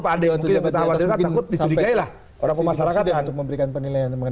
takut dicudikai lah orang pemasarakan